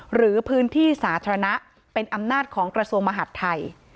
หรือพื้นที่สาธารณะเป็นอำนาจของกระทรวงมหาดไทย